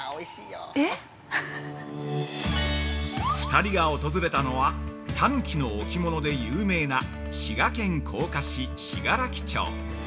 ◆２人が訪れたのはタヌキの置物で有名な滋賀県甲賀市・信楽町。